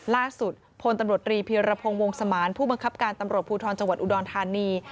ล่าสุดพลตำรวจรีพีรพงศ์วงสมานผู้บังคับการตำรวจภูทรจังหวัดอุดรธานี